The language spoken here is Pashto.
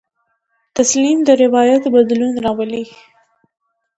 تسلیم د روایت بدلون راولي.